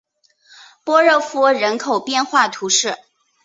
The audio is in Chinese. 波热夫人口变化图示